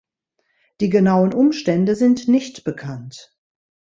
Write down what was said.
Die genauen Umstände sind nicht bekannt.